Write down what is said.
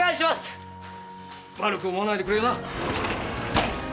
悪く思わないでくれよな。